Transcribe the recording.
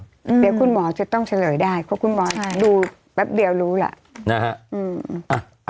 เดี๋ยวคุณหมอจะต้องเฉลยได้เพราะคุณหมอดูแป๊บเดียวรู้ล่ะนะฮะ